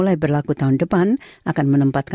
pemerintah meminta kami percaya